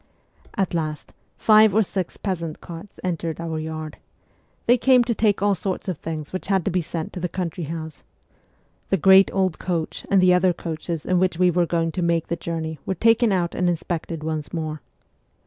At last, five or six peasant carts entered our yard : they came to take all sorts of things CHILDHOOD 4o which had to be sent to the country house. The great old coach and the other coaches in which we were going to make the journey were taken out and inspected once more.